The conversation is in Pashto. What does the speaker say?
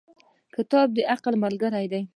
• کتاب د عقل ملګری دی.